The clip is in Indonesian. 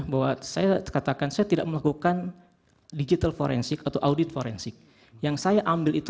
bahwa saya katakan saya tidak melakukan digital forensik atau audit forensik yang saya ambil itu